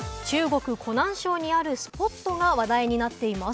中国・湖南省にあるスポットが話題になっています。